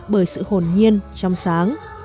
bởi sự hồn nhiên trong sáng